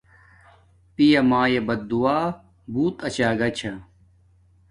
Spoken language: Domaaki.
پیا مایے بد دعا بوت اچاگا چھا